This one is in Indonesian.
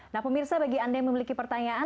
nah pemirsa bagi anda yang memiliki pertanyaan